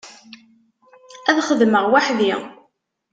Ad xedmeɣ weḥd-i.